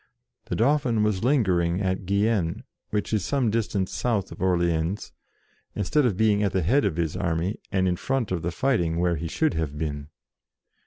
The Dauphin was lingering at Gien, which is some distance south of Orleans, instead of being at the head of his army, and in the front of the fighting, where he should have been.